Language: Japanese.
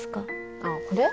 ああこれ？